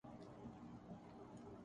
لین دین پر ٹیکس کے باعث تاجروں